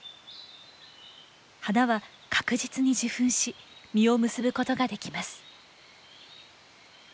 花は確実に受粉し実を結ぶことができます。